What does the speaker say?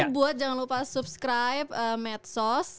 buat jangan lupa subscribe medsos